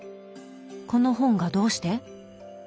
この本がどうして？